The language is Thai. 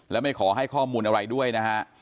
และไม่ขอให้ข้อมูลอะไรด้วยนะฮะ